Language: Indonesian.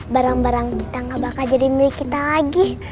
barang barang kita gak bakal jadi milik kita lagi